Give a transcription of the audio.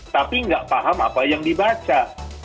tapi nggak paham apa yang dibaca